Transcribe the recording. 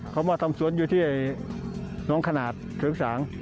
เขามาทำสวนอยู่ที่น้องขนาดเชิงสาง